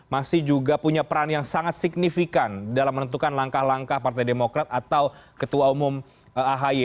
masih juga punya peran yang sangat signifikan dalam menentukan langkah langkah partai demokrat atau ketua umum ahi